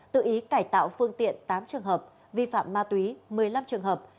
tự ý cải tạo phương tiện tám trường hợp vi phạm ma túy một mươi năm trường hợp